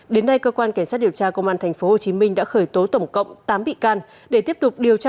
đến nay cơ quan cảnh sát điều tra công an tp hcm đã khởi tố tổng cộng tám bị can để tiếp tục điều tra